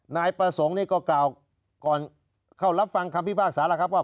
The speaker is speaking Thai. นายประสงค์นี่ก็กล่าวก่อนเข้ารับฟังคำพิพากษาแล้วครับว่า